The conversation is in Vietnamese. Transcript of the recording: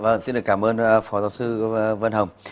vâng xin cảm ơn phó giáo sư vân hồng